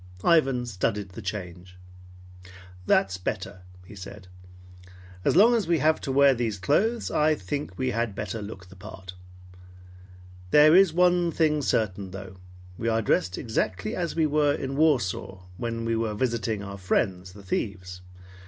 Ivan studied the change. "That's better," he said. "As long as we have to wear these clothes, I think we had better look the part. There is one thing certain though. We are dressed exactly as we were in Warsaw, when we were visiting our friends, the thieves.